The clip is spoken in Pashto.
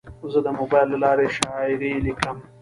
زه د موبایل له لارې شاعري لیکم.